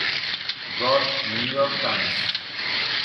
Broad, New York Times.